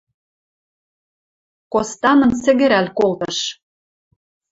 Костанын сӹгӹрӓл колтыш: